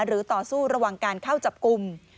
ต่อสู้ระหว่างการเข้าจับกลุ่ม